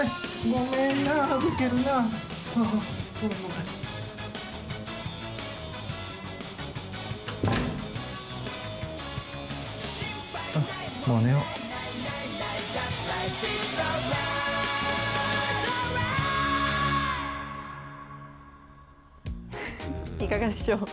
うん、いかがでしょう？